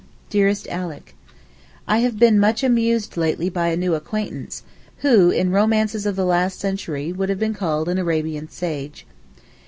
DEAREST ALICK, I have been much amused lately by a new acquaintance, who, in romances of the last century, would be called an 'Arabian sage.